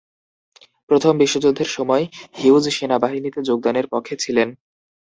প্রথম বিশ্বযুদ্ধের সময় হিউজ সেনাবাহিনীতে যোগদানের পক্ষে ছিলেন।